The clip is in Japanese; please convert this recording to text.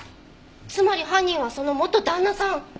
つまり犯人はその元旦那さん！